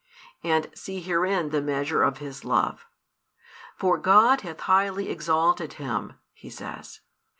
And see herein the measure of His love. For God hath highly exalted Him, He says.